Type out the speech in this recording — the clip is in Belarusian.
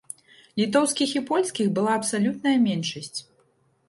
Літоўскіх і польскіх была абсалютная меншасць.